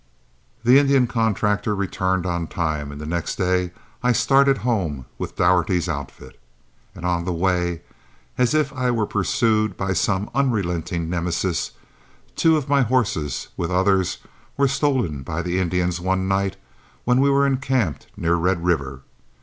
The Indian contractor returned on time, and the next day I started home with Daugherty's outfit. And on the way, as if I were pursued by some unrelenting Nemesis, two of my horses, with others, were stolen by the Indians one night when we were encamped near Red River.